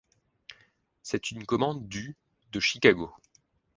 C'est une commande du de Chicago.